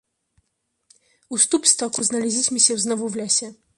"U stóp stoku znaleźliśmy się znowu w lesie."